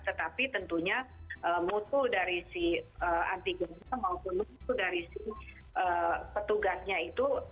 tetapi tentunya musuh dari si antigennya maupun musuh dari si petugasnya itu